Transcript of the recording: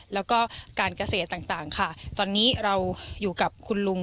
แล้วก็การเกษตรต่างค่ะตอนนี้เราอยู่กับคุณลุง